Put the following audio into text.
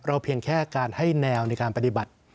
เพียงแค่การให้แนวในการปฏิบัติ